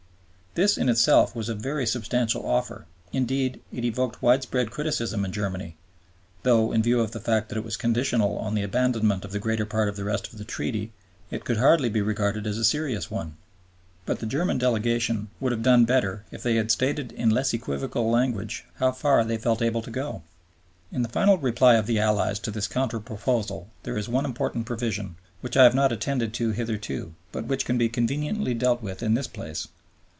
This in itself was a very substantial offer indeed it evoked widespread criticism in Germany though, in view of the fact that it was conditional on the abandonment of the greater part of the rest of the Treaty, it could hardly be regarded as a serious one. But the German Delegation would have done better if they had stated in less equivocal language how far they felt able to go. In the final reply of the Allies to this counter proposal there is one important provision, which I have not attended to hitherto, but which can be conveniently dealt with in this place.